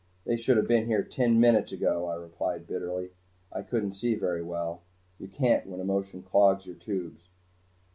"They should have been here ten minutes ago," I replied bitterly. I couldn't see very well. You can't when emotion clogs your tubes.